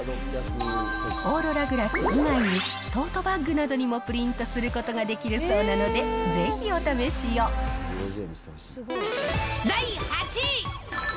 オーロラグラス以外に、トートバッグなどにもプリントすることができるそうなので、ぜひ第８位。